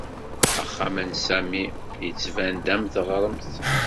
Axxam n Sami yettban-d am teɣremt.